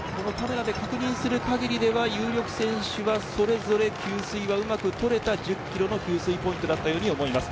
確認する限りでは有力選手は給水はうまく取れた１０キロの給水ポイントだったと思います。